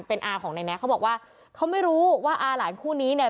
เป็นอาของนายแนะเขาบอกว่าเขาไม่รู้ว่าอาหลานคู่นี้เนี่ย